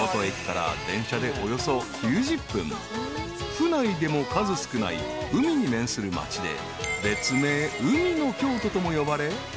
［府内でも数少ない海に面する町で別名海の京都とも呼ばれ］